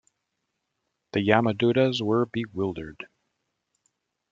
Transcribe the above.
The Yamadutas were bewildered.